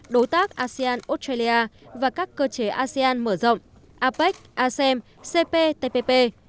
đối tác asean australia và các cơ chế asean mở rộng apec asem cptpp